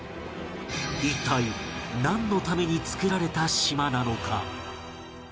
一体なんのために作られた島なのか？